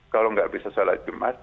kalau nggak bisa sholat jumat